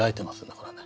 これね。